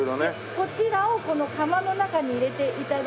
こちらをこの釜の中に入れて頂きます。